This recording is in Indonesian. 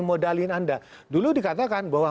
modalin anda dulu dikatakan bahwa